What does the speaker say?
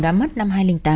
đã mất năm hai nghìn tám